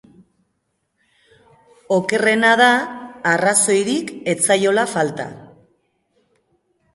Okerrena da arrazoirik ez zaiola falta.